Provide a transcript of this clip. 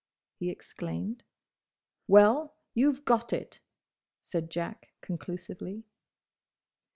he exclaimed. "Well—you've got it!" said Jack, conclusively.